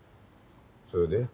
それで？